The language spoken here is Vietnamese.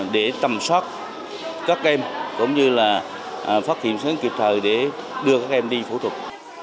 để tầm soát các em cũng như là phát hiện sớm kịp thời để đưa các em đi phẫu thuật